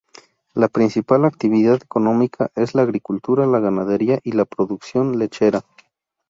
La principal actividad económica es la agricultura, la ganadería y la producción lechera.